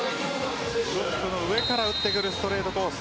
ブロックの上から打っていくストレートコース